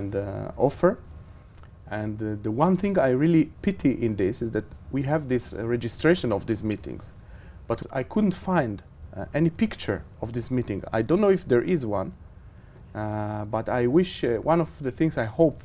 những người việt đang quyết định đất nước của chúng tôi